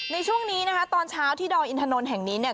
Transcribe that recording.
ในช่วงนี้นะคะตอนเช้าที่ดอยอินทนนท์แห่งนี้เนี่ย